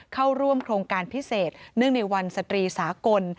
เข้าร่วมโครงการพิเศษเนื่องในวันสตรีสากล